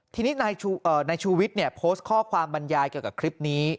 ทีนี้นายชูวิทย์โพสต์ข้อความบรรยายเกี่ยวกับคลิปนี้